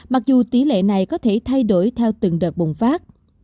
mặc dù tỷ lệ này có thể thay đổi theo từng đợt bùng phát